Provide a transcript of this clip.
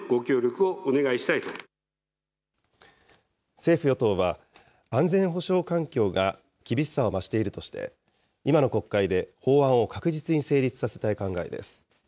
政府・与党は安全保障環境が厳しさを増しているとして、今の国会で法案を確実に成立させたい考えです。